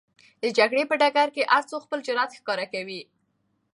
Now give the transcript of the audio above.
د جګړې په ډګر کې هر څوک خپل جرئت ښکاره کوي.